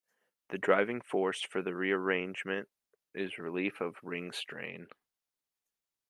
The driving force for the rearrangement is relief of ring strain.